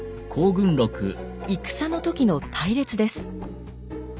戦の時の隊列です。